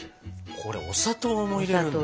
これお砂糖も入れるんだ？